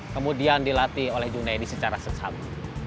kemudian dilatih oleh junedi secara seksama